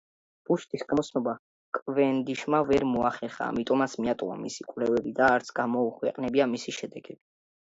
ბუშტის გამოცნობა კავენდიშმა ვერ მოახერხა, ამიტომაც მიატოვა თავისი კვლევები, და არც გამოუქვეყნებია მისი შედეგები.